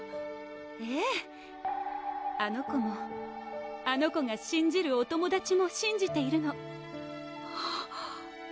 ええあの子もあの子がしんじるお友達もしんじているの！